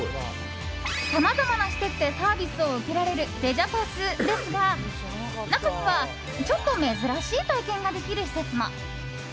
さまざまな施設でサービスを受けられるレジャパスですが中には、ちょっと珍しい体験ができる施設も。